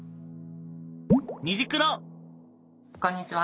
こんにちは！